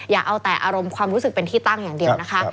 อย่าเอาแต่อารมณ์ความรู้สึกเป็นที่ตั้งอย่างเดียวนะคะ